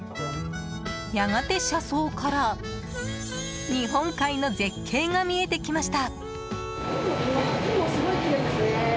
やがて車窓から日本海の絶景が見えてきました。